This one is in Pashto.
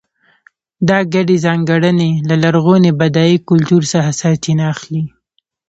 دا ګډې ځانګړنې له لرغوني بډای کلتور څخه سرچینه اخلي.